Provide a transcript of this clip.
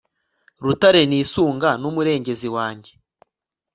rutare nisunga n'umurengezi wanjye